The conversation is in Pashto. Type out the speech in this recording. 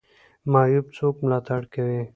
معیوب څوک ملاتړ کوي؟